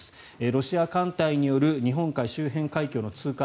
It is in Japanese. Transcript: ロシア艦隊による日本海周辺海峡の通過